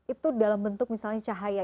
itu dalam bentuk misalnya cahaya